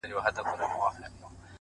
اوس له خپل ځان څخه پردى يمه زه،